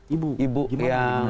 ibu gimana menceritakan